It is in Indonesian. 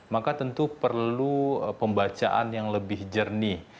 maka tentu perlu pembacaan yang lebih jernih